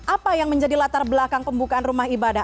apa yang menjadi latar belakang pembukaan rumah ibadah